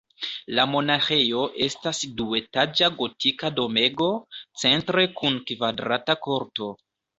La monaĥejo estas duetaĝa gotika domego, centre kun kvadrata korto.